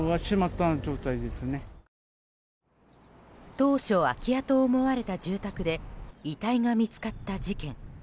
当初、空き家と思われた住宅で遺体が見つかった事件。